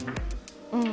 うん。